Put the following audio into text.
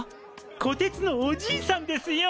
こてつのおじいさんですよ。